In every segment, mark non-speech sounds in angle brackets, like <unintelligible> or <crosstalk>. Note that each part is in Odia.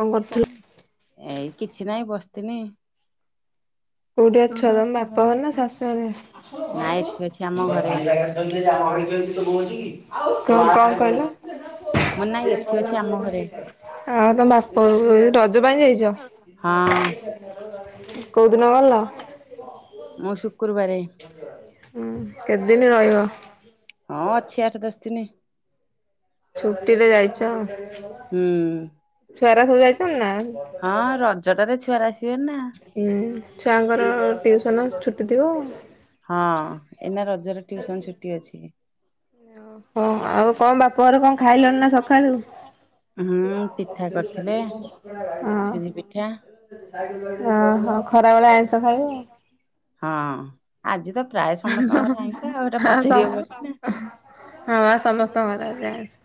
କଣ କରୁଥିଲ ଏଇ କିଛି ନାଇଁ ବସିତିନି। କୋଉଠ ଅଛ ତମ ବାପା ଘର ନା ଶାଶୁଘରେ? ଆମ ନାଇଁ ଏଠି ଅଛି ଆମ ଘରେ ଯାହା ତ କିଛି କହୁଛି କି କଣ କଣ କହିଲ? ମୁଁ ନାଇଁ ଏଠି ଅଛି ଆମ ଘରେ। ଆଉ ତମ ବା ପ ଘରକୁ ରଜ ପାଇଁ ଯାଇଛ? ହଁ। କୋଉ ଦିନ ଗଲ? ମୁଁ ଶୁକ୍ରୁବାରେ ହୁଁ କେତେଦିନ ରହିବ? ହଁ ଅଛି ଆଠ ଦଶ ଦିନ। ଛୁଟିରେ ଯାଇଛ ହୁଁ। ଛୁଆରା ସବୁ ଯାଇଛନ୍ତି ନା? ହଁ ରଜରେ ଛୁଆରା ଆସିବେନି ନା। ଛୁଆଙ୍କର ଟିଉସନ୍ ଛୁଟି ଥିବ। ହଁ ଏଇନା ରଜର ଟିଉସନ୍ ଛୁଟି ଅଛି। ହଁ ଆଉ କଣ ବାପ ଘରେ କଣ ଖାଇଲଣି ନା ସକାଳୁ? ହୁଁ ପିଠା କରିଥିଲେ ହଁ। ସୁଜି ପିଠା ଓହୋ ଖରା ବେଳେ ଆଇଁଷ ଖାଇବ ଆଉ। ହଁ ଆଜି ତ ପ୍ରାୟ ସମସ୍ତଙ୍କ ଘର ଆଇଁଷ ଆଉ ଏଟା ପଚାରିବାକୁ ଅଛି ନା। ହଁ ସମସ୍ତଙ୍କ ଘରେ ଆଜି ଆଇଁଷ।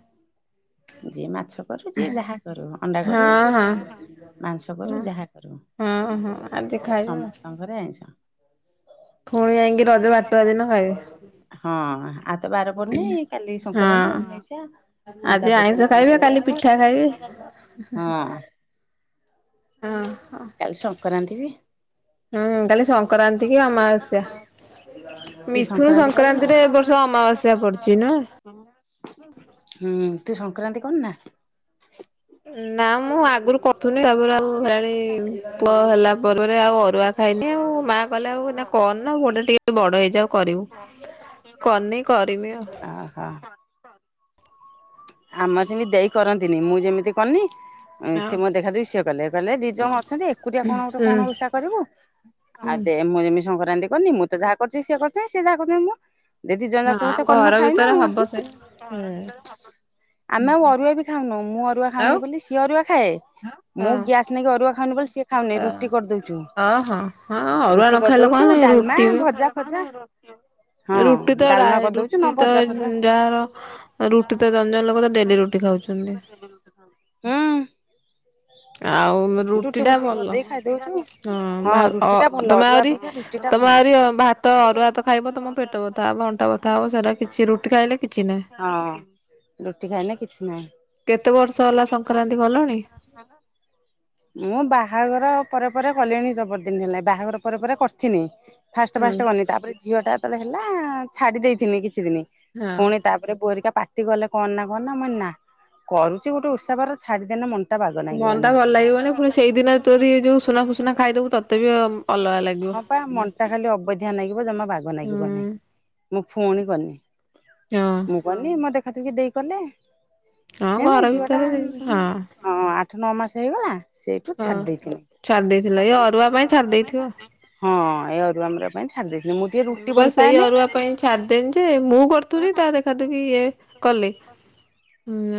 ଯିଏ ମାଛ କରୁ ଯିଏ ଯାହା କରୁ ଅଣ୍ଡା କରୁ ହଁ ସିଏ ହଁ ମାଂସ କରୁ ହଁ ଯାହା କରୁ ହଁ ହଁ ଆଜି ଆ ଖାଇବା ସମସ୍ତଙ୍କର ଆଇଁଷ। ପୁଣି ଯାଇକି ରଜ ବାଟୁଆ ଦିନ ଖାଇବେ। ହଁ ଆଉତ ବାର ପଡ଼ିନି କାଲି ସଂକ୍ରାନ୍ତି। ହଁ ହ ଆଜି ତା ଆଇଁଷ ପରେ ଖାଇବେ କାଲି ପିଠା ଖାଇବେ ହଁ ହଁ ହ। କାଲି ସଂକ୍ରାନ୍ତି ବି ହୁଁ କାଲି ସଂକ୍ରାନ୍ତି କି ଅମାବାସ୍ୟା। ତୁ ମିଥୁନ ସଂକ୍ରାନ୍ତି କରୁନୁ? ସଂକ୍ରାନ୍ତିରେ ଏ ବର୍ଷ ଅମାବାସ୍ୟା ପଡୁଛି ନା? ହୁଁ ତୁ ସଂକ୍ରାନ୍ତି କର ନା? ନା ମୁଁ ଆଗରୁ କରୁ କରୁଥିଲି। ତାପରେ ଆଉ ହେରାଣି ପୁଅ ହେଲା ପରେ ଆଉ ଅରୁଆ ଖାଇନି ଆଉ ମାଆ କଲେ ଆଉନା କରିନି ପୁଅ ଟା ଟିକେ ବଡ଼ ହେଇଯାଉ କରିବୁ କରିନି କରିବି ଆଉ ହଁ। ଆମର ସେମିତି ଦେଇ କରନ୍ତିନି ମୁଁ ଯେମିତି କନି ହଁ ସେ ମୋ ଦେଖାଦୃଶ୍ୟ ସିଏ କହିଲେ କହିଲେ ଦି ଜଣ ଅଛନ୍ତି ଏକୁଟିଆ କଣ ଗୋଟେ ହୁଁ କଣ ଓଷା କରିବୁ। ଆଉ ହୁଁ ଦେ ମୁଁ ଯେମିତି ସଂକ୍ରାନ୍ତି କରିନି ମୁଁ ତ ଯାହା କରୁଛି ସିଏ କରିୁଛନ୍ତି ସିଏ ଯାହା କରୁଛନ୍ତି ମୁଁ। ଯେ ଦି ଜଣ ଯାକ ହଁ ସେ କନୁ ଘର ଖାଇନୁ ଭିତରେ ଆଉ। ହବ ସେ ହୁଁ ଆମେ ଆଉ ଅରୁଆ ବି ଖାଉନୁ ମୁଁ ଅରୁଆ ଆଉ ଖାଉନି ବୋଲି ସିଏ ଅରୁଆ ଖାଏ ମୁଁ ହଁ ଗ୍ୟାସ୍ ମାନେ କି ଅରୁଆ ଖାଉନି ବୋଲି ସେ ଖାଉନି ହଁ। ରୁଟି କରିଦଉଛୁ ହଁ ହଁ ହଁ ଅରୁଆ ନ ରୁଟି ଖାଇଲେ କଣ କରିଦଉଛୁ ହେଲା ଡାଲମା ରୁଟି ବି ଭଜା ଫଜା ହଁ ରୁଟି ତ ଡାଲମା ରାଏ କରିଦଉଛୁ ନ ରୁଟି ତ ଭଜା ଫଜା ଯାହାର ରୁଟି ତ ଜଞ୍ଜନ ଲୋକ ତ ଡେଲି ରୁଟି ଖାଉଛନ୍ତି। ହଁ। ଆଉ ରୁଟି ଟା ଭଲ। ଖାଇଦଉଛୁ। ହଁ ଭା ରୁଟି ଟା ଭଲ ଅ ତମେ ଅରୁଆ ଆହୁରି ଅପେକ୍ଷା ରୁଟି ଟା ତମେ ଭଲ ଆହୁରି ଭାତ ଅରୁଆ ଭାତ ଖାଇବ ତମ ପେଟ ବଥା ଅଣ୍ଟା ବଥା ଉ ସେଟା କିଛି ରୁଟି ଖାଇଲେ କିଛି ନାଇଁ। ହଁ। ରୁଟି ଖାଇଲେ କିଛି ନାହିଁ କେତେ ବର୍ଷ ହେଲା ସଂକ୍ରାନ୍ତି କଲଣି? ହେଲା ମୁଁ ବାହାଘର ପରେ ପରେ କଲିଣି ଜବରଦିନ ହେଲେ ବାହାଘର ପରେ ପରେ କରିଥିନି। ଫାଷ୍ଟ ହୁଁ ଫାଷ୍ଟ କନି ତାପରେ ଝିଅ ଟା ଯେତେବେଳେ ହେଲା ଛାଡ଼ି ଦେଇଥିନି କିଛି ଦିନି ହଁ। ପୁଣି ତାପରେ ବୋଉ ହେରିକା ପାଟି କଲେ କ ନା କନା ମୁଁ କହିଲି ନା କରୁଛି ଗୋଟେ ଓଷା ବାର ଛାଡ଼ି ଦେଲେ ମନ ମନ ଟା ବାଗଲାଗିବନି ମନ୍ଦା ଭଲ ଲାଗିବନି ପୁଣି ସେଇଦିନ ତୁ ଯଦି ଯୋଉ ସୁନା ଫୁସୁନା ଖାଇଦବୁ ତତେ ବି ଅଲଗା ଲାଗିବ। ହଁ ବା ମନ ଟା ଖାଲି ଅବଧିଆ ଲାଗିବ ଜମା ବାଗ ଲାଗିବ ନାହିଁ। ହୁଁ ମୁଁ ପୁଣି କଲି ହଁ ମୁଁ କଲି ମୋ ଦେଖାଦିକି ଦେଇ କଲେ। ହଁ ହେ ଘର ନାଇ ଝିଅ ଟାଁ ଭିତରେ ହଁ ହଁ। ଆଠ ନଅ ମାସ ହେଇଗଲା ସେଇଠୁ ହଁ ଛାଡି ଦେଇଥିଲି। ଛାଡି ଦେଇେଥିଲା ଇଏ ଅରୁଆ ପାଇଁ ଛାଡି ଦେଇେଥିବ। ହଁ ଏ ଅରୁଆ ମାରୁଆ ପାଇଁ ଛାଡ଼ି ଦେଇଥିଲେ ମୋ ଦୀ ହୁଁ ବାସ ଏଇ ଅରୁଆ ପାଇଁ ଛାଡିଦେନି ଯେ ମୁଁ କରୁଥିଲି ତା ଦେଖାଦୁଖୀ ଇଏ କଲେ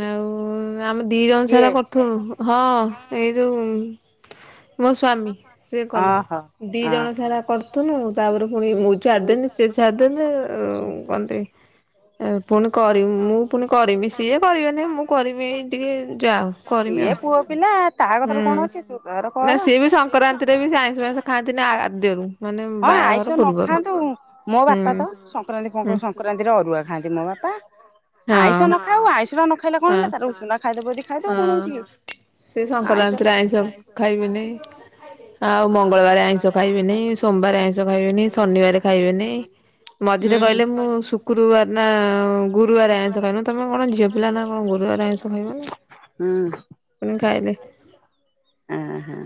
ଆଉ ଆମେ ଦି ଜଣ କିଏ? ସାରା କରୁଥିଲୁ ହଁ ଏଇ ଯୋଉ ମୋ ସ୍ୱାମୀ ସିଏ କଲେ ଓହୋ ଦିଇ ଓହୋ ଜଣ ସାରା କରୁଥିଲୁ ତାପରେ ପୁଣି ମୁ ଚାରିଦିନ ନି ସେ ଚାରିଦିନ କଣତି ଏ ପୁଣି କରିି ମୁଁ ପୁଣି କରମି ସିଏ କରିବେନି ମୁଁ କରିବି ଟିକେ ଯାଅ ସିଏ ପୁଅ ପିଲା ତା କଥାରେ କଣ ଅଛି ତୁ ତର ନା କର ସିଏ ବି ସଂକ୍ରାନ୍ତିରେ ବି ଆଇଁଷ ଫାଇଁଷ ଖାଆନ୍ତିନି ଆଦ୍ୟରୁ ମାନେ ହଁ ଆଇଷ ବାହାଘର ନ ପୂର୍ବରୁ। ଖାଆନ୍ତୁ ମୋ ବା ହୁଁ ପା ତ ସଂକ୍ରାନ୍ତି ହୁଁ ସଂକ୍ରାନ୍ତିରେ ଅରୁଆ ଖାଆନ୍ତି ମୋ ବାପା ଆଇଁଷ ହଁ ନ ଖାଉ ଆଇଁଷ ଖାଇଲା କଣ ହଁ ହେଲା ତାର ଉଷୁନା ଖାଇଦବୁ ଯଦି ଖାଇଦବୁ ହଁ କଣ ହଉଛି କି ସେ ଆଇଁଷ ଟା ସଂକ୍ରାନ୍ତିରେ ସବୁଥିରେ ଆଇଁଷ ଖାଇବେନି ଆଉ ମଙ୍ଗଳବାର ଆଇଁଷ ଖାଇବେନି ସୋମବାର ଆଇଁଷ ଖାଇବେନି ଶନିବାର ଖାଇବେନି ମଝିରେ ହୁଁ କହିଲେ ମୁଁ ଶୁକ୍ରବାର ନା ଗୁରୁବାର ଆଇଁଷ ଖାଉନ ତମେ କଣ ଝିଅ ସେ କହିଲା ନା କଣ ଗୁରୁବାର ଆଇଁଷ ଖାଇବ ନା ହୁଁ ପୁଣି ଖାଇଲେ ହଁ ହଁ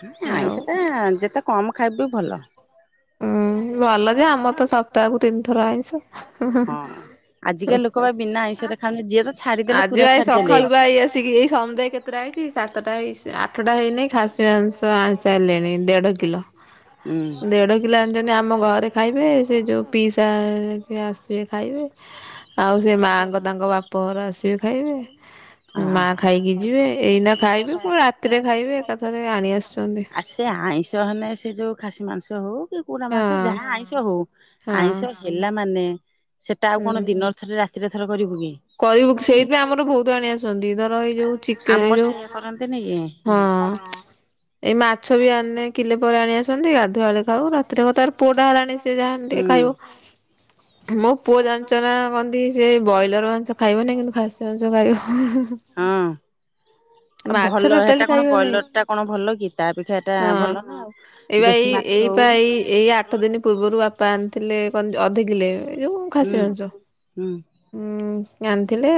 ହ ଆଇଁଷ ଆଉ ତ ଯେତେ କମ ଖାଇବ ଭଲ ହୁଁ ଭଲ ଯେ ଆମର ତ ସପ୍ତାହକୁ ତିନିଥର ଆଇଁଷ ହଁ ହଁ ଆଜିକା ଲୋକ ବା ବିନା ଆଇଁଷରେ ଖାଉନି ଯିଏ ତ ଛାଡିଦେଲେ ଆଜି ପୁରା ବା ଏ ଛାଡିଦେଲେ। ସକାଳୁ ବା ଏଇ ଆସିକି ଏଇ ସଧ୍ୟା କେତେଟା ହେଇଛି ସାତଟା ହେଇସି ଆ <unintelligible> ଉ ପିଲାମାନେ ଯେମିତି ଆମ ଘରେ ଖାଇବେ ସେ ଯେଉଁ ପିଇସା କି ଆସିବେ ଖାଇବେ ଆଉ ସେ ମାଆଙ୍କ ତାଙ୍କ ବାପଘର ଆସିବେ ଖାଇବେ ମା ଅହ। ଖାଇକି ଯିବେ ଏଇନା ଖାଇବେ ପୁଣି ରାତିରେ ଖାଇବେ ଏକାଥରେ ଆଣି ଆସୁଛନ୍ତି ଆ ସେ ଆଇଁଷ ହେନେ ସେ ଯେଉଁ ଖାସି ମାଂସ ହେଉ ପୋଡା ମାଂସ ହଁ ଯାହା ଆଇଁଷ ହଉ ହଁ ଆଇଁଷ ହେଲା ମାନେ ସେଟା ଆଉ କଣ ହୁଁ। ଦିନ ଥରେ ରାତିରେ ଥରେ କରିବୁ କି କରିବୁ ସେଇଥିପାଇଁ ଆମର ବହୁତ ଆଣି ଆସନ୍ତି ଧର ଏଇ ଯୋଉ ଚିକେନ ଏଇ ଆମର ଯୋଉ ସେ ଇୟେ କରନ୍ତିନି କି ହଁ ଏଇ ମାଛ ବି ଆଣିଲେ କିଲେ ପରେ ଆଣି ଆସନ୍ତି ଗାଧୁଆ ବେଳେ ଖାଉ ରାତିରେ ହବ ତାର ପୁଅ ଟା ହେଲାଣି ସିଏ ଯାହା ହେଲେ ଟିକେ ଖାଇବ ଆଉ ମୋ ପୁଅ ଜାଣିଛ ନା କନ୍ତି ସେ ବ୍ରଏଲର ମା ସେ ଖାଇବ ନାଇଁ କିନ୍ତୁ ଖାଷୀ ମାଂସ ଖାଇବ ହଁ ହଁ ହଁ। ମାଛ ଭଲ ହେଟା ଟୋଟାଳି କଣ ଖାଇବନି ବ୍ରଏଲର ଟା କଣ ଭଲ କି ତା ଅପେକ୍ଷା ଏଟା ଭଲ ନାଉ ଏଇ ବା ଏଇ ଏଇପା ଏଇ ଏଇ ଆଠ ଦିନ ପୂର୍ବରୁ ବାପା ଆଣିଥିଲେ ଏ କନ୍ ଅଧିକିଲେ ଏ ଯୋଉ ହୁଁ। ଖାସି ମାଂସ ହୁଁ। ଆଣିଥିଲେ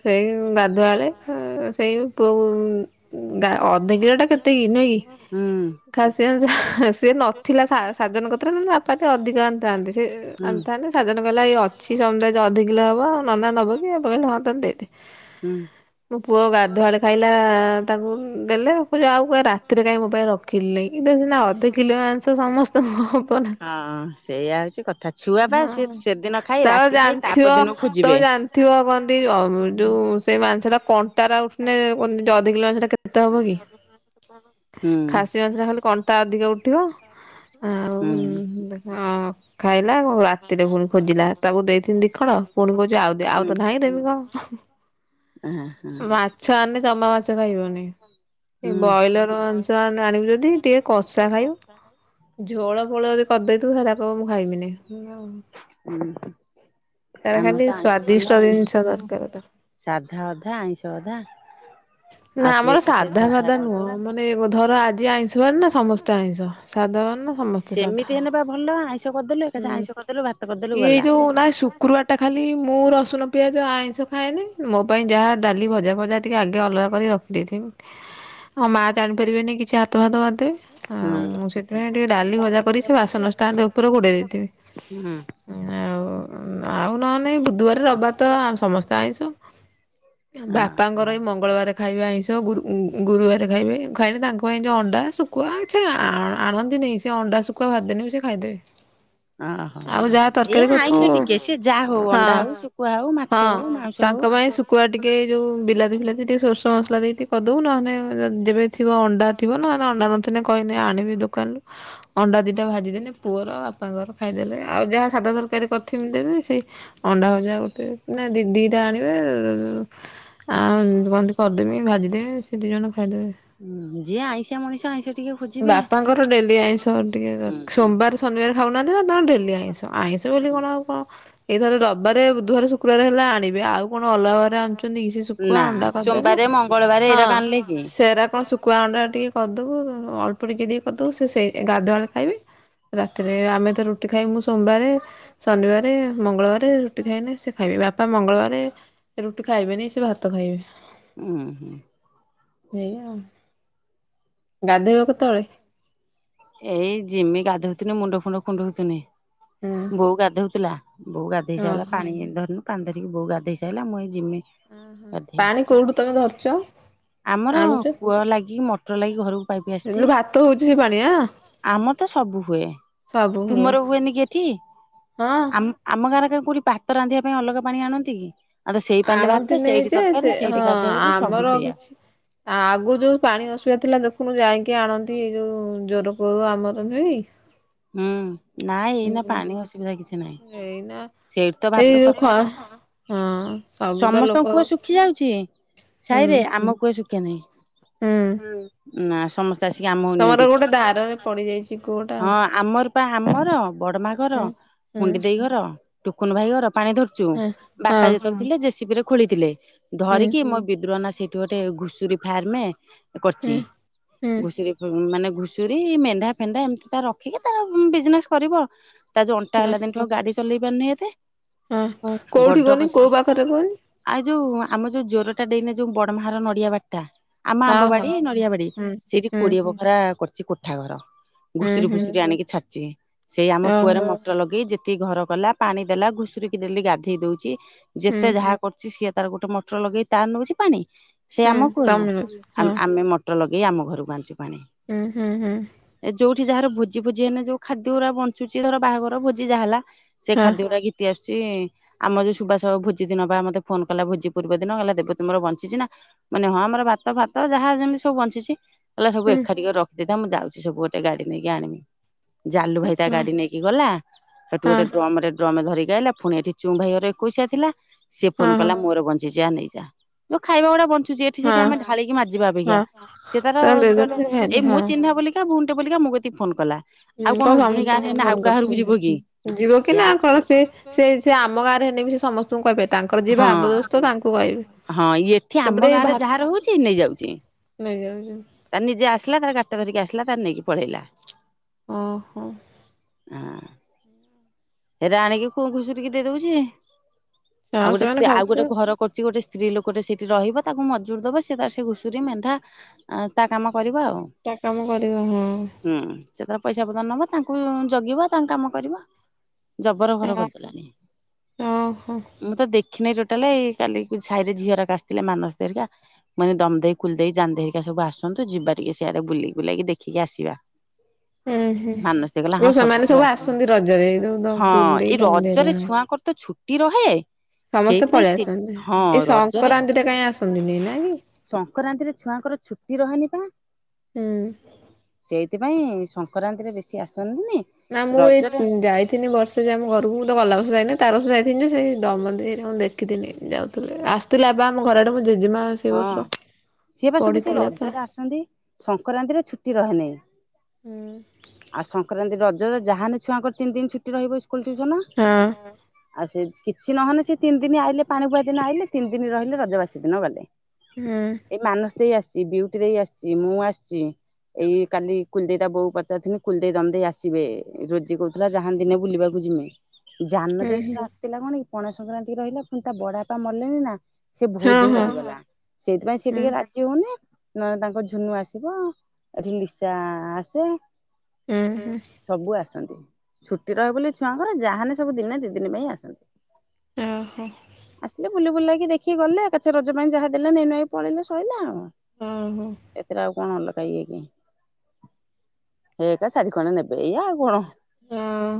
ସେଇ ଗାଧୁଆବେଳେ ଉ ସେଇ ପୁଅ କୁ ଉ ଗା ଅଧ କିଲୋଟା କେତେ କି ନୁହେଁ କି ହୁଁ ହଁ ଖାଷୀ ମାଂସ ସିଏ ନଥିଲା ସା ସାଜନ୍ କତିରେ ନହେଲେ ବାପା ଟିକର ଅଧିକ ଆଣିଥାନ୍ତେ ସେ ଆଣିଥାନ୍ତେ ସାଜନ କହିଲା ଏଇ ଅଛି ସମୁଦାୟ ଯା ଅଧ କିଲୋ ହବ ଆଉ ନନା ନବ କି <unintelligible> ଦେଇଦ ମୋ ପୁଅ ଗାଧୁଆବେଳେ ଖାଇଲା ତାକୁ ଦେଲେ ଆଉ କହୁଛି ରାତିରେ କାହିଁ ମୋ ପାଇଁ ରଖିଲି ନେଇ କି ଏଟା ସିନା ଅଧ କିଲୋ ମା ହଁ ସେଇଆ ହଉଛି କଥା ଛୁଆ ପା ସେ ହଁ। ସେଦିନ ଖାଇ ରାତି ଖାଇ ତା ପରଦିନ କୁ ଖୋଯିବେ ଥିବ ହ କନ୍ତି ଯୋଉ ସେଇ ମାଂସଟା କଣ୍ଟାଟ ନେ କଣ ଦିଟା ଅଧ କିଲୋ ସେଟା କେତେ ହବ କି? ହୁଁ। ଖାସି ମାଂସ ଟା ଖାଲି କଣ୍ଟା ଅଧିକ ଉଠିବ, ଆଉ ହୁଁ। ଉମ ଦେଖ ହଁ ଖାଇଲା ଆଉ ରାତିରେ ପୁଣି ଖୋଜିଲା ତାକୁ ଦେଇଥିଲି ଦିଖଣ୍ଡ ପୁଣି କହୁଛି ଆଉ ଦେ ହୁଁ। ଆଉ ତ ନାହିଁ ଦେବି କଣ ହୁଁ ଆ ହଁ ହୁଁ ମାଛ ଆଣିନେ ଜମା ମାଛ ଖାଇବନି। ଏ ହୁଁ ବଏଲର ମାଂସ ଆଣି ଆଣିବୁ ଯଦି ଟିକେ କଷା ଖାଇବୁ ଝୋଳ ଫୋଳ ଯଦି କରିଦେଇଥିବୁ ସେଗୁରା କହିବ ମୁଁ ଖାଇମିନି। ହୁଁ ତାର ଖାଲି ସ୍ଵାଦିଷ୍ଟ ଜିନିଷ ଦରକାର ତ ସାଧା ଅଧା ଆଇଁଷ ଅଧା ଆଉ ନା ତୁ ଆମର ଏକା ସେ ସାଧା ବାଧା ନୁହଁ କରିଦବୁ। ମାନେ ବୁଧବାର ଆଜି ଆଇଁଷବାର ନା ସମସ୍ତେ ଆଇଁଷ, ସାଧାବାରନ ସେମିତି ହେନେବା ଭଲ ଆଇଁଷ କରିଦେଲୁ ଏକାଥେରେ ହୁଁ ଆଇଁଷ କରିଦେଲୁ ଭାତ କରିଦେଲୁ ଏଇ ଗଲା ଯୋଉ ନା ଶୁକ୍ରବାର ଟା ଖାଲି ମୁଁ ରସୁଣ, ପିଆଜ, ଆଇଁଷ ଖାଏନି, ମୋ ପାଇଁ ଯାହା ଡାଲି ଭଜା ଫଜା ଟିକେ ଆଗ ଗେ ଅଲଗା କରି ରଖିଦେଇଥିବି, ଆଉ ମାଆ ଜାଣିପାରିବେନି କିଛି ହାତ ଫାତ ମାରିଦେବେ ହୁଁ ଆଉ ମୁଁ ସେଥିପାଇଁ ଟିକେ ଡାଲି, ଭଜା କରିକି ସେ ବାସନ ଷ୍ଟାଣ୍ଡ ଉପରେ ଘୋଡେଇ ଦେଇଥିବି। ହୁଁ ଆଉ ଆଉ ନହେନ ନାହିଁ ବୁଧୁବାରେ, ରବିବାରେ ତ ସମସ୍ତେ ଆଇଁଷ ବାପାଙ୍କର ଏଇ ମଙ୍ଗ ମଙ୍ଗଳବାରେ ଖାଇବେ ଆଇଁଷ ଗୁରୁ ଗୁରୁବାରେ ଖାଇବେ ଖାଇଲେ ତାଙ୍କ ପାଇଁ ଯେଉଁ ଅଣ୍ଡା, ଶୁଖୁଆ ସେ ଆ ଆଣନ୍ତିନି ସେ ଅଣ୍ଡା, ଶୁଖୁଆ ଭାଜିଦେନେ ବି ସେ ଖାଇଦେବେ। ହଁ ଆଉ ଯାହା ଏ ତରକାରୀ କରୁଥିବୁ ଆଇଁଷ ଟିକେ ସେ ଯାହା ହଉ ହଁ ଅଣ୍ଡା ହଉ ଶୁଖୁଆ ହଉ ମାଛ ହଉ ମାଉଁସ ହଉ କୁଆ ଟିକେ ଯୋଉ ବିଲାତି ଫିଲାତି ଟିକେ ସୋର୍ଷ ମସଲା ଦେଇକି ଟିକେ କରିଦବୁ ନହେନେ ଯେବେ ଥିବ ଅଣ୍ଡା ଥିବ ନହେଲେ ଅଣ୍ଡା ନଥିଲେ କହିଲେ ଆଣିବେ ଦୋକାନରୁ ଅଣ୍ଡା ଦିଟା ଭାଜିଦେନେ ପୁଅର ବାପାଙ୍କର ଖାଇଦେଲେ ଆଉ ଯାହା ସାଧା ତରକାରୀ କରିଥିମି ଦେବି ସେଇ ଅଣ୍ଡା ଭଜା ଗୋଟେ ନା ଦି ଦିଟା ଆଣିବେ ଆଉ କ କରିଦେମି ଭାଜିଦେମି ସେ ଦିଇ ଜଣ ଖାଇଦେବେ। ହୁଁ ଯିଏ ଆଇଁଷିଆ ମଣିଷ ଆଇଁଷ ଟିକେ ଖୋଜିବେ। ବାପାଙ୍କ ଡେଲି ଆଇଁଷ ଟିକେ ହୁଁ ଦର ହୁଁ ସୋମବାର, ଶନିବାର ଖାଉନାହାନ୍ତି ନା ତାଙ୍କର ଡେଲି ଆଇଁଷ, ଆଇଁଷ ବୋଲି କଣ ଆଉ କଣ ଏଇଥରେ ରବବାରେ, ବୁଧୁବାରେ, ଶୁକ୍ରବାର ହେଲା ଆଣିବେ, ଆଉ କଣ ଅଲଗାବାରେ ଆଣିୁଛନ୍ତି କି ସେ ଶୁଖୁଆ, ନା ଅଣ୍ଡା କରିଦେଲେ ସୋମବାରେ ମଙ୍ଗଳବାରେ ହଁ ଏଇରା କାଣିଲେ କି? ସେରା କଣ ଶୁଖୁଆ, ଅଣ୍ଡା ଟିକେ କରିଦବୁ ଅଳ୍ପ ଟିକେ ଟିକେ କରିଦଉ ସେ ସେଇ ଗାଧୁଆ ବେଳେ ଖାଇବେ, ରାତିରେ ଆମେ ତ ରୁଟି ଖାଇବି ମୁଁ ସୋମବାରେ ଶନିବାରେ, ମଙ୍ଗଳବାରେ ରୁଟି ଖାଇନେ ସେ ଖାଇବେ, ବାପା ମଙ୍ଗଳବାରେ ସେ ରୁଟି ଖାଇବେନି ସେ ଭାତ ଖାଇବେ। ହୁଁ ହୁଁ ସେଇଆ ଆଉ। ଗାଧେଇବ କେତେବେଳେ? ଏଇ ଜିମି ଗାଧଉଥିଲି ମୁଣ୍ଡ ଫୁଣ୍ଡ କୁଣ୍ଡଉଥିଲି। ହୁଁ ବୋଉ ଗାଧଉଥିଲା, ବୋଉ ଗାଧେଇ ସାରିଲା ଓହୋ ପାଣି ଧରିନୁ ପାଣି ଧରିକି ବୋଉ ଗାଧେଇ ସାଇଲା ମୁଁ ଏଇ ଜିମି। ବୋଧେ ପାଣି କୋଉଠୁ ତମେ ଧରୁଛ ଆମର ଆଣୁଛ କୂଅ ଲାଗିକି ମଟର ଲାଗିକି ଘରକୁ ପାଇପି ଆସିଚି, ହେଲେ ଭାତ ହଉଛି ସେ ପାଣି ଆଁ ଆମ ତ ସବୁ ହୁଏ। ସବୁ ହୁଏ ତୁମର ହୁଏନି କି ଏଠି? ହଁ ଆମ୍ ଆମ ଗାଁରେ କାଁ କୋଉଠି ଭାତ ରାନ୍ଧିବା ପାଇଁ ଅଲଗା ପାଣି ଆଣନ୍ତି କି? ଆମେ ତ ସେଇ ପାଣିିଲେ ଆଣନ୍ତି ଭାତ ନେଇ ସେଇଠି ଯେ ସେ ତରକାରୀ ସେଇଠି ଗାଧୁଆଗୁଧି ସବୁ ସେଇଆ। ଆ ଆଗୁରୁ ଯୋଉ ପାଣି ଅସୁବିଧା ଥିଲା ଦେଖୁନୁ ଯାଇକି ଆଣନ୍ତି ଏଇ ଯୋଉ ଜୋର କୂଅ ରୁ ଆମର ନୁହଁ କି ହୁଁ, ନାଇଁ ଏଇନା ଉଁ ପାଣି ଅସୁବିଧା କିଛି ନାହିଁ। ଏଇନା ସେଇଠି ତ ଭାତ ଏଇ ଯୋଉ ଖ ତରକାରୀ ସ ହଁ ସବୁ ତ ଲୋକ ସମସ୍ତଙ୍କୁ। ଶଖି ଯାଉଛି ହୁଁ ସାହିରେ ଆମକୁୁହ ଶୁଖା ନାହିଁ ହୁଁ ନା ସମ ତମର ଗୋଟେ ଧାରାରେ ପଡିଯାଇଛି। କୂଅଟା ଆଉ ହଁ ଆମର ପା ଆମର ବଡ ମା ଘର ହୁଁ ହୁଁ ଗୁଣ୍ଡି ଦେଇ ଘର ଟୁକୁନ ଭାଇ ଘର ପାଣି ଧରୁ। ଚୁ ହଁ ହଁ ବାପା ଯେତେବେଳେ ଥିଲେ ଜେସିପି ରେ ଖୋଳିଥିଲେ ହୁଁ ଧରିକି ମୋ ବିଦ୍ରୁହନାଁ ଗୋଟେ ଘୁଷୁରୀ ଫାର୍ମ କରିଛି ହୁଁ ହୁଁ ଘୁଷୁରୀ। ମାନେ ଘୁଷୁରୀ ମେଣ୍ଢା ଫେଣ୍ଡା ଏମିତି ତା ରଖିକି ତାର ବିଜନେସ କରିବ। ତା ଯଉ ଅଣ୍ଟା ହଁ ହେଲା ଆଉ ଗାଡି ଚଲେଇ ପାରୁନି ଏତେ। ହଁ କୋଉଠି ବଡ କହନି କସି କୋଉ ପାଖରେ କୁହନି। ଆଉ ଯୋଉ ଆମ ଯୋଉ ଜ୍ଵର ଟା ଡେଇଁଲେ ଯୋଉ ବଡ ମାର ନଡିଆ ବାଟ। ଠା ଆମ ହଉ ହଉ ଆମ୍ବବାଡି, ନଡ଼ିଆ ବାଡି ହୁଁ ସେଯେ ହୁଁ କୋଡିଏ ବଖରା କରୁଛି କୋଠା ଘର। ହୁଁ ଘୁଷୁରି ହୁଁ ଫୁଷୁରି ଆଣି କି ଛାଡିଛି ସେଇ ଆମ ଓହୋ ପୁଅର ମ ର ଲଗେଇ ଯେତିକି ଘର କଲା, ପାଣି ଦେଲା, ଘୁଷୁରିକି ଡେଲି ଗାଧେଇ ଦଉଛି ହୁଁ ଯେତେ ଯାହା କରୁଛି ସିଏ ତାର ଗୋଟେ ମଟର ଲଗେଇ ତାର ନଉଛି ପାଣି ସେ ହୁଁ ଆମ କୁଅରୁ ତମେ ହଁ ଆମ ଆମେ ମ ମଟର ଲଗେଇ ଆମ ଘରକୁ ଆଣିଛୁ ପାଣି। ହୁଁ ହୁଁ ହୁଁ। ଏ ଯୋଉଠି ଯାହାର ଭୋଜି ଭୋଜି ହେଲେ ଯୋଉ ଖାଦ୍ୟ ଗୁରା ବଞ୍ଚୁଛି ଧର ବାହାଘର ଭୋଜି ଯାହା ହେଲା। ସେ ହଁ ଖାଦ୍ୟ ଗୁଡା ଗିତି ଆସୁଛି। ଆମର ଯୋଉ ସୁୁବାସ ବାବୁ ଭୋଜି ଦିନ ବା ମତେ ଫୋନ କଲା ଭୋଜି ପୂର୍ବ ଦିନ ଗଲା ଦେବ ତୁମର ବଞ୍ଚିଛି ନା? ମାନେ ହଁ ଆମର ଭାତ ଫାତ ଯାହା ଯେମିତି ସବୁ ବଞ୍ଚିଛି। ହେଲା ସବୁ ହୁଁ ଏକାଠି କରି ରଖି ଦେଇଥା ମୁଁ ଯାଉଛି ସବୁ ଗୋଟେ ଗାଡି ନେଇକି ଆଣିବି। ଜାଲୁ ଭାଇ ତା ହଁ ଗାଡି ନେଇକି କି ଗଲା। ସେଠୁ ହଁ ଗୋଟେ ଡ୍ରମ ରେ ଡ୍ରମେ ଧରିକି ଅଇଲା ପୁଣି ଏଠି ଚୁଁମ ଭାଇ ଘରେ ଏକୋଇଶିଆ ଥିଲା। ସେ ହଁ ଫୋନ ହଁ କଲା ମୋର ବଞ୍ଚିଛି ଆ ନେଇ ଯା। ତ ଖାଇବା ଗୁଡା ବଞ୍ଚି <unintelligible> ଏଠି ସେଠି ହଁ ଆମେ ଢାଳିକି ମାଜିବା ଅପେକ୍ଷା ହଁ ସେ ତାର ତମେ ଗୋଟେ ଦେଇଦେଲେ ଖାଇଲେ ଏଇ ମୁଁ ହଁ ଚିହ୍ନା ବଲିକା ମୁଁ ବଲିକା ମ <unintelligible> ଫୋନ୍ କଲା। ହୁଁ ଆଉ କଣ ଉଜୁଣି ଗାଁ ସମସ୍ତେ ରେ ମତେ ଏଇନା ଆଉ ଫୋନ କାହା ଘରକୁ କରଛି। ଯିବ କି ଯିବ କି ନା ୟା କଣ ସେ ସେ ସେ ଆମ ଗାଁ। ରେ ହେନେ ବି ସେ ସମସ୍ତଙ୍କୁ କହିବେ ତାଙ୍କର ଯିଏ ହଁ ଭାବ ଦୋସ୍ତ ତାଙ୍କୁ କହିବେ। ହଁ ୟେଠି ଆମ ଗାଁ ରେ ଯାହାର ହଉଛି ନେଇଯାଉଛି। ନେଇ ଯାଉଛି। ତାର ନିଜେ ଆସିଲା ତାର ଟାକ୍ଟର ଧରିକି ଆସିଲା ତାର ନେଇକି ପଳେଇଲା। ଓହୋ। ହଁ ରାଣି କିି କଉ ଘୁଷୁରିକି ଦେଇଦଉଛି। ଆଉ ହଁ ଗୋଟେ ସେମାନେ ସେ ଆଉ ଗୋଟେ ଖାଉଥିବେ ଘର କରୁଛି ଗୋଟେ। ସ୍ତ୍ରୀ ଲୋକଟେ ସେଇଠି ରହିବ ତାକୁ ମଜୁରି ଦେବ ସେ ତା ସେ ଘୁଷୁରୀ, ମେଣ୍ଢା ଅଁ ତା କାମ କରିବ ଆଉ। ତା କାମ କରିବ ହୁଁ। ହୁଁ। ସେ ତାର ପଇସା ପତ୍ର ନବ ତାଙ୍କୁ ବି ଜଗିବ ତାଙ୍କ କାମ କରିବ। ଜବର ଘର ହଁ କରିଦେଲାଣି। ଓହୋ। ମୁଁ ତ ଦେଖିନାଇ ଟୋଟାଲି କାଲି କୁ ସାହିରେ ଝିଅରାକ ଆସିଥିଲେ ମାନସ ହେରିକା। ମାନେ ଦମ ଦେଇ, କୁଲ ଦେଇ, ଯାନ୍ଦେଇକା ସବୁ ଆସଛନ୍ତି। ଯିବା ଟିକେ ସିଆଡେ ବୁଲି ବୁଲାଇକି ଦେଖିକି ଆସିବା। ହୁଁ ହୁଁ ମାନସି କହିଲା ଓ ହଁ ସବୁ ସେମାନେ ଝିଅ ଆସନ୍ତି ରଜରେ ଏଇ ଆସିବେ। ଯୋଉ ହଁ ଦକୁଲ ଦେଇ ଏଇ ଦଣ୍ଡି ରଜରେ ହେରିକା ଛୁଆଙ୍କର ତ ଛୁ ଟି ରହେ। ସମସ୍ତେ ସେଇଥିପାଇଁ ପଳେଇ ଆସନ୍ତି। ତୀର୍ଥ ହଁ ଏଇ ରଜରେ ସଂକ୍ରାନ୍ତିରେ କାହିଁ ଆସନ୍ତିନି ନା କି ସଂକରାନ୍ତିରେ ଛୁଆଙ୍କର ଛୁଟି ରହେନି ପା ହୁଁ। ସେଇଥିପାଇଁ ସଂକରାନ୍ତିରେ ବେଶୀ ଆସନ୍ତିନି। ନା ମୁଁ ଏଇ ରଜରେ ଉଁ ଯାଇଥିଲି ବର୍ଷ ସେ ଯେ ଆମ ଘରକୁ ମୁଁ ତ ଗଲା ର୍ବଷ ଯାଇନି ତା ଆର ବର୍ଷ ଯାଇଥିଲି ଯେ ସେଇ ଦମ ଦେଇ ଆ ମୁଁ ଦେଖିଥିନି ଯାଉଥିଲେ ଆସ ଥିଲା ହେବା ଆମ ଘରଆଡୁ ମୋ ଜେଜେମା ସେଇ ହଁ ବର୍ଷ ସିଏ ବା ସବୁ ସେ ପଡିଥିଲା ତ। ରଜରେ ଆସନ୍ତି ସଂକରାନ୍ତିରେ ଛୁଟି ରହେ ନି। ହୁଁ ଆଉ ସଂକରାନ୍ତି, ରଜରେ ଯାହାନେ ଛୁଆଙ୍କର ତିନି ଦିନ ଛୁଟି ରହିବ। ହଁ <unintelligible> ଆଉ ସେ କିଛି ନହଲେ ସେ ତିନି ଦିନ ଆଇଲେ ପାଣି ପୁଆ ଦିନ ଆଇଲେ ତିନି ଦିନ ରହିଲେ ରଜବାସୀ ଦିନ ଗଲେ। ହୁଁ। ଏଇ ମାନସି ଆସିଛି, ବିଉଟି ଦେଇ ଆସିଚି ମୁଁ ଆସିଚି। ଏଇ କାଲି କୁଲଦେଇ ତା ବୋଉ ପଚାରୁଥିନି କୁଲଦେଇ, ଦନ୍ଦଦେଇ ଦେଇ ଆସିବେ ରୋଜି କହୁଥି ଲା ଯାହାନ୍ ଦିନେ ବୁଲିବାକୁ ଯିମି। ଯାନ ହୁଁ ଦେଇ ହୁଁ ଥରେ ଆସିଥିଲା କଣ କି, ପଣା ସଂକ୍ରାନ୍ତି ରହିଲା ପୁଣି ତା ବଡାପା ମଲେନି ନା ସେ ବହୁତ ହଁ ଦିନ ହଁ ରହିଗଲା। ସେଇଥିପାଇଁ ସେ ହୁଁ ଟିକେ ରା ଯିବ ନି ନହେଲେ ତାଙ୍କ ଝୁନୁ ଆସିବ ଏଠି ଲିସା ଆସେ। ହୁଁ ହୁଁ। ସବୁ ଆସନ୍ତି ଛୁଟି ରହେ ବୋଲି ଛୁଆଙ୍କର ଯାହାନେ ସବୁ ଦିନେ ଦି ଦିନ ପାଇଁ ଆସନ୍ତି। ଓହୋ। ହେ ବୁଲି ବୁଲାକି ଦେଖିକି ଗଲେ ଏକାଛେ ରଜ ପାଇଁ ଯାହା ଦେଲେ ନେଇ ନୁଆ କି ପଳେଇଲେ ସଇଲା ଆଉ। ଉଁ ହୁଁ। ଏଥିରେ ଆଉ କଣ ଅଲଗା ଇଏ କି, ହେଇ ହେଇକା ଶାଢୀ ଖଣ୍ଡେ ନେବେ ଏଇଆ ଆଉ କଣ। ହଁ।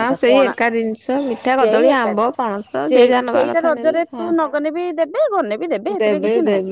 ଆ ତ ସେଇ ପଣା ଏକା ଜିନିଷ ମିଠା କଦଳୀ ସେଇ ଏକା ଆମ୍ବ ପଣସ ଯିଏ ସେଇ ଯାହା ନବା ସେଇଟା କଥା ନେଲେ ରଜରେ ହଁ। ତୁ ନଗନେ ବି ଦେବେ ଗନେ ବି ଦେବେ ସେଥିରେ କିଛି ନାହିଁ।